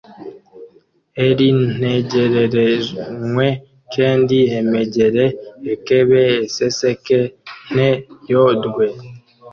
eri ntegererenywe kendi emegere ekebe eseseke nteyorwe.